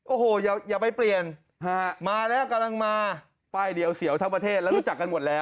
โอ้โหอย่าไปเปลี่ยนมาแล้วกำลังมาป้ายเดียวเสียวทั้งประเทศแล้วรู้จักกันหมดแล้ว